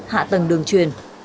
hạ tầng đường truyền